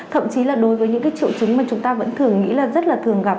thậm chí là đối với những cái triệu chứng mà chúng ta vẫn thường nghĩ là rất là thường gặp